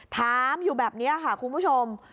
ถามอยู่แบบนี้ค่ะคุณผู้ชม